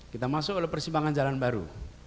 kita masuk oleh persimpangan jalan baru